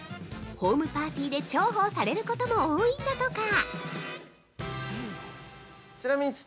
ホームパーテで重宝されることも多いんだとか！